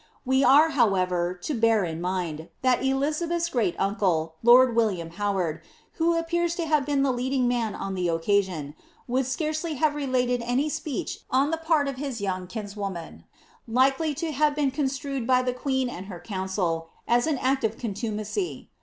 We are, however, to hear in mind, that Elizabeth's great uncle, lord William Howard, who appears to have been the leading man on the occasion, would scarcely have related any speech on the part of his young kinswoman, likely to have been construed by the queen and her council, into an act of contumacy.